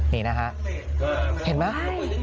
นี่นะครับเห็นไหม